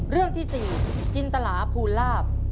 เรื่องที่๔จินตลาภูลาภ